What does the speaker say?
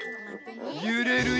ゆれるよ。